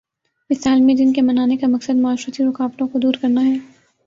اس عالمی دن کے منانے کا مقصد معاشرتی رکاوٹوں کو دور کرنا ہے